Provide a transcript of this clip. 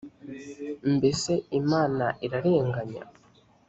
mbese imana irarenganya?